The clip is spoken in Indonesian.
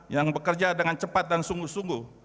yang bekerja dengan cepat dan sungguh sungguh